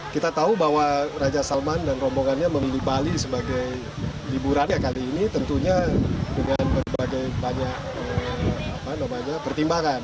kita tahu bahwa raja salman dan rombongannya membeli bali sebagai liburannya kali ini tentunya dengan berbagai banyak pertimbangan